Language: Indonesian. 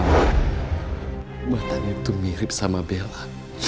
matanya itu mirip sama bella